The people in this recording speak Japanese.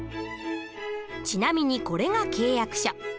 ちなみにこれが契約書。